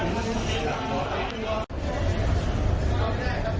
สวัสดิษฐ์โทรวิวสมแพยห๊วนเย็นบิเตอร์